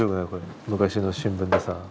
昔の新聞でさ。